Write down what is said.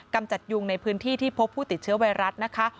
กำจัดยุงในพื้นที่ที่พบผู้ติดเชื้อไวรัสนะคะ